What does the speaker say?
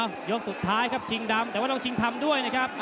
ยกสุดท้ายครับชิงดำแต่ว่าต้องชิงทำด้วยนะครับ